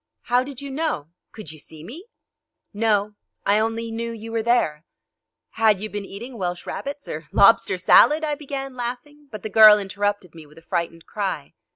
"How did you know? Could you see me?" "No; I only knew you were there." "Had you been eating Welsh rarebits, or lobster salad?" I began, laughing, but the girl interrupted me with a frightened cry.